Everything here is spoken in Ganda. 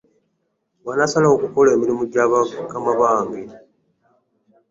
Bwnasalawo okukola emirimu ja bakama bange .